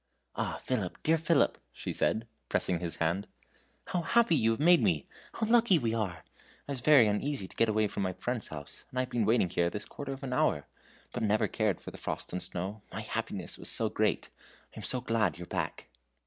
"Ah, Philip, dear Philip," she said, pressing his hand, "how happy you have made me! how lucky we are! I was very uneasy to get away from my friend's house, and I have been waiting here this quarter of an hour, but never cared for the frost and snow my happiness was so great: I am so glad you're come back."